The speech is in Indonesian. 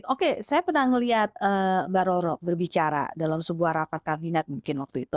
oke saya pernah melihat mbak roro berbicara dalam sebuah rapat kabinet mungkin waktu itu